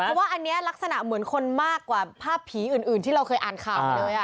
เพราะว่าอันนี้ลักษณะเหมือนคนมากกว่าภาพผีอื่นที่เราเคยอ่านข่าวมาเลย